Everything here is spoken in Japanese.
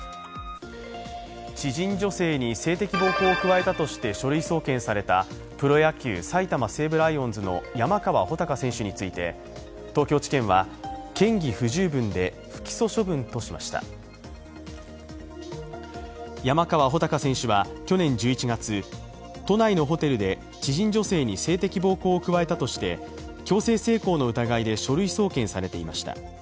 知人女性に性的暴行を加えたとして書類送検されたプロ野球・埼玉西武ライオンズの山川穂高選手について東京地検は嫌疑不十分で不起訴処分としました山川穂高選手は、去年１１月都内のホテルで知人女性に性的暴行を加えたとして強制性交の疑いで書類送検されていました。